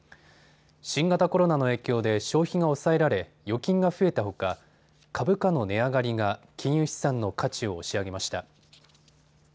新型コロナの影響で消費が抑えられ、預金が増えたほか株価の値上がりが金融資産の価値を押し上げました。